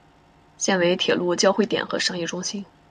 现为铁路交会点和商业中心。